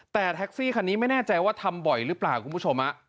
แต่แท็กซี่คันนี้ไม่แน่ใจว่าทำบ่อยหรือเปล่าคุณผู้ชม